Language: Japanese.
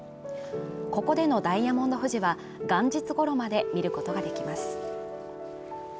ここでのダイヤモンド富士は元日ごろまで見ることができます